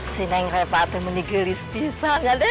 sini ngerepatin menigilis pisang ya den